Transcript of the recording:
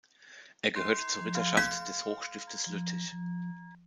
Er gehörte zur Ritterschaft des Hochstiftes Lüttich.